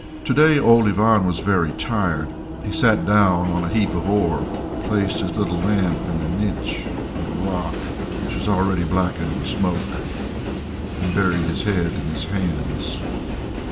To day old Ivan was very tired; he sat down on a heap of ore, placed his little lamp in a niche of the rock, which was already blackened with smoke, and buried his head in his hands.